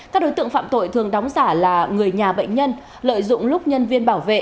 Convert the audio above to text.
các đối tượng phạm tội thường đóng giả là người nhà bệnh nhân lợi dụng lúc nhân viên bảo vệ